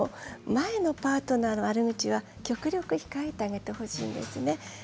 前のパートナーの悪口は極力控えてあげてほしいんですね。